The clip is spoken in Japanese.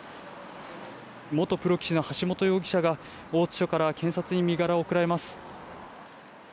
元プロ棋士の橋本容疑者が、大津署から検察に身柄を送られます。